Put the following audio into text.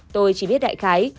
tôi chỉ biết đại khái